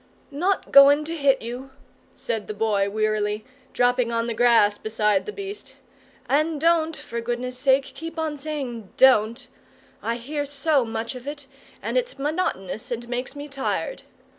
"Not goin' to hit you," said the Boy wearily, dropping on the grass beside the beast: "and don't, for goodness' sake, keep on saying `Don't;' I hear so much of it, and it's monotonous, and makes me tired.